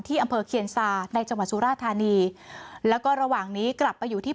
อำเภอเคียนซาในจังหวัดสุราธานีแล้วก็ระหว่างนี้กลับไปอยู่ที่